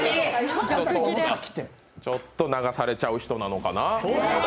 ちょっと流されちゃう人なのかな？